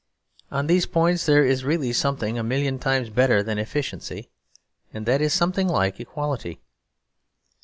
On these points there is really something a million times better than efficiency, and that is something like equality.